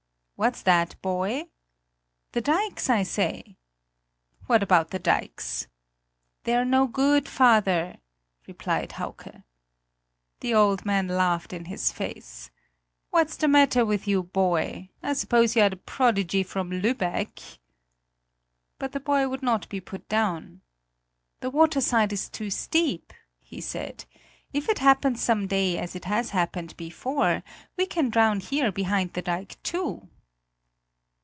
"What's that, boy?" "The dikes, I say." "What about the dikes?" "They're no good, father," replied Hauke. The old man laughed in his face. "What's the matter with you, boy? I suppose you are the prodigy from Lübeck." But the boy would not be put down. "The waterside is too steep," he said; "if it happens some day as it has happened before, we can drown here behind the dike too."